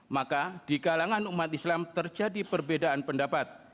maka di kalangan umat islam terjadi perbedaan pendapat